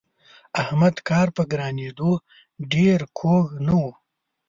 احمد کار په ګرانېدو ډېر خوښ نه وو.